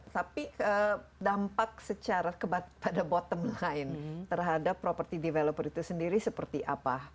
tapi dampak secara pada bottom line terhadap property developer itu sendiri seperti apa